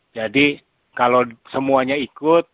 jadi kalau semuanya ikut